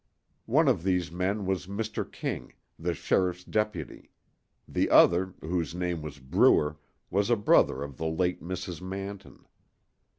One of these men was Mr. King, the sheriff's deputy; the other, whose name was Brewer, was a brother of the late Mrs. Manton.